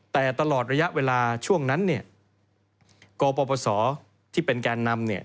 แต่ตลอดระยะเวลาช่วงนั้นเนี่ยกปศที่เป็นแกนนำเนี่ย